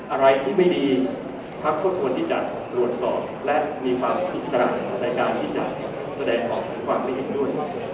อะไรที่ไม่ดีพักก็ควรที่จะตรวจสอบและมีความอิสระในการที่จะแสดงออกถึงความไม่เห็นด้วย